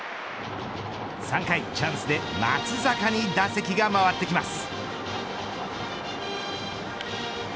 ３回チャンスで松坂に打席が回ってきます。